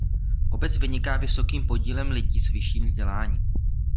Obec vyniká vysokým podílem lidí s vyšším vzděláním.